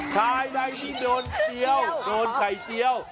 ภายในนี่โดนเจียวโดนไข่เจียว